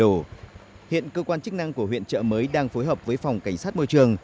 hiện cơ quan chức năng của huyện trợ mới đang phối hợp với phòng cảnh sát môi trường